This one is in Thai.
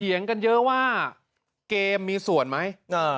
เกี่ยงกันเยอะว่าเกมมีส่วนไหม